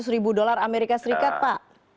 lima ratus ribu dolar amerika serikat pak